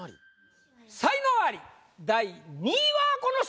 才能アリ第２位はこの人！